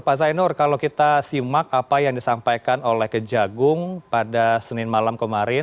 pak zainur kalau kita simak apa yang disampaikan oleh kejagung pada senin malam kemarin